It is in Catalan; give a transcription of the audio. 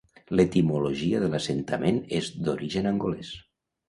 L'etimologia de l'assentament és d'origen angolès.